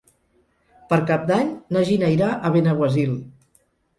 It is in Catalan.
Per Cap d'Any na Gina irà a Benaguasil.